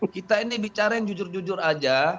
kita ini bicara yang jujur jujur aja